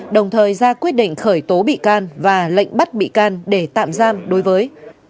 đồng thời ra quyết định khởi tố bị can và lệnh bắt bị can để tạm giam đối với